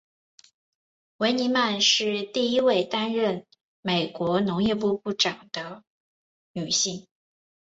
维尼曼是第一位担任美国农业部长的女性。